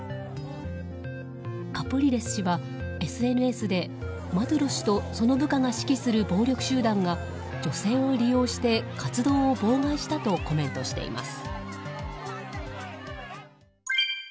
カプリレス氏はＳＮＳでマドゥロ氏と、その部下が指揮する暴力集団が女性を利用して活動を妨害したとコメントしています。